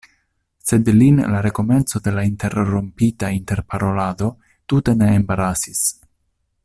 Sed lin la rekomenco de la interrompita interparolado tute ne embarasis.